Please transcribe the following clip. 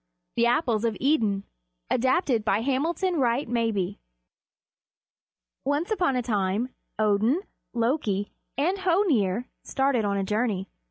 THE APPLES OF IDUN ADAPTED BY HAMILTON WRIGHT MABIE Once upon a time Odin, Loki, and Hoenir started on a journey.